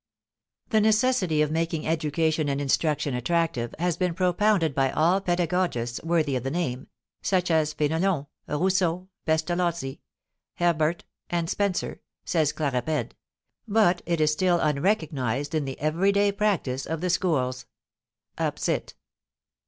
"The necessity of making education and instruction attractive has been propounded by all pedagogists worthy of the name, such as Fénelon, Rousseau, Pestalozzi, Herbart, and Spencer," says Claparède, "but it is still unrecognized in the everyday practise of the schools" (_op. cit.